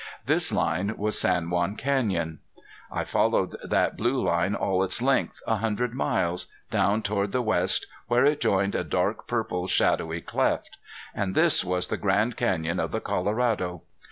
This line was San Juan Canyon. I followed that blue line all its length, a hundred miles, down toward the west where it joined a dark purple shadowy cleft. And this was the Grand Canyon of the Colorado.